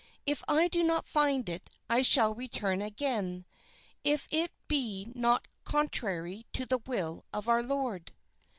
If I do not find it, I shall return again, if it be not contrary to the will of our Lord."